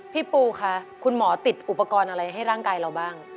พี่ปูคะคุณหมอติดอุปกรณ์อะไรให้ร่างกายเราบ้าง